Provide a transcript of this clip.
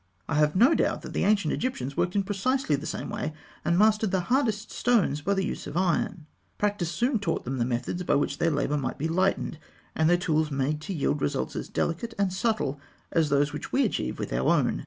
I have no doubt that the ancient Egyptians worked in precisely the same way, and mastered the hardest stones by the use of iron. Practice soon taught them methods by which their labour might be lightened, and their tools made to yield results as delicate and subtle as those which we achieve with our own.